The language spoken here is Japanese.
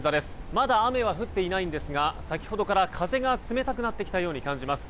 まだ雨は降っていないんですが先ほどから風が冷たくなってきたように感じます。